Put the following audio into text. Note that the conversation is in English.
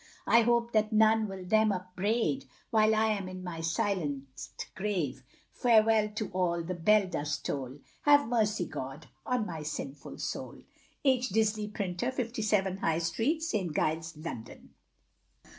I hope that none will them upbraid, While I am in my silent grave; Farewell to all the bell does toll, Have mercy, God, on my sinful soul. H. Disley, Printer, 57, High Street, St. Giles, London.